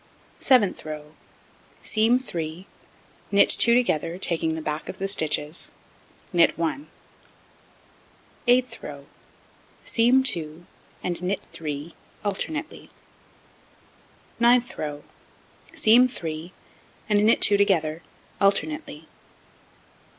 Seventh row: Seam 3, knit 2 together, taking the back of the stitches, knit 1. Eighth row: Seam 2, and knit 3, alternately. Ninth row: Seam 3, and knit 2 together, alternately.